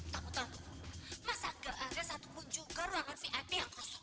takut takut masa gak ada satupun juga ruangan vip yang masuk